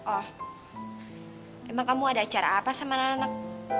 oh emang kamu ada acara apa sama anak anak